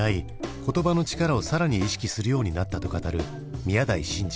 言葉の力を更に意識するようになったと語る宮台真司。